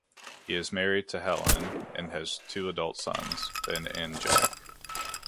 He is married to Helen and has two adult sons, Ben and Jack.